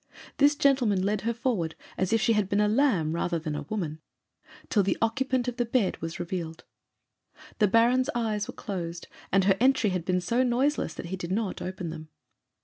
This gentleman led her forward, as if she had been a lamb rather than a woman, till the occupant of the bed was revealed. The Baron's eyes were closed, and her entry had been so noiseless that he did not open them.